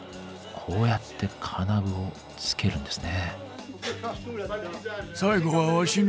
こうやって金具を付けるんですね。